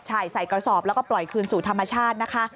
ใช่ใส่กระสอบแล้วก็ปล่อยคืนสู่ธรรมชาตินะคะ